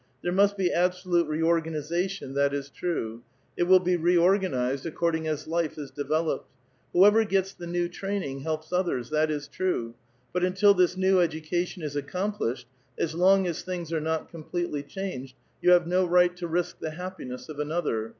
There must "® absolute reorganization, that is tme. It will be reor ganized according as life is developed. Whoever gets the ^^w training, helps others, that is true. But until this new ^<iu cation is accomplished, as long as things are not com pletely changed, you have no right to risk the happiness of ^nother.